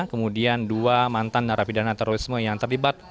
kemudian dua mantan narapidana terorisme yang terlibat